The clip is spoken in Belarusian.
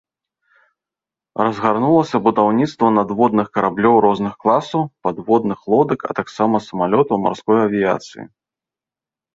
Разгарнулася будаўніцтва надводных караблёў розных класаў, падводных лодак а таксама самалётаў марской авіяцыі.